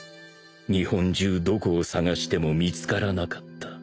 ［日本中どこを探しても見つからなかった］